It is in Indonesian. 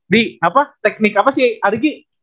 di apa teknik apa sih argi